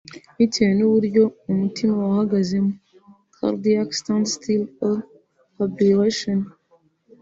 bitewe n’uburyo umutima wahagazemo (cardiac standstill or fibrillation)